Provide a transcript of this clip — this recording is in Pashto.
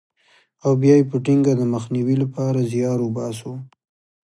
او بیا یې په ټینګه د مخنیوي لپاره زیار وباسو.